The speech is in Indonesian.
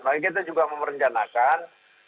maka kita juga memerencanakan